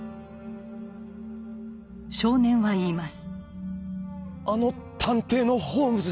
少年は言います。